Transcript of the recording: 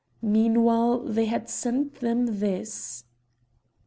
Meanwhile they had sent them this.